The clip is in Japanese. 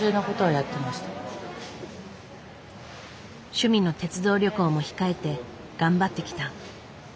趣味の鉄道旅行も控えて頑張ってきた。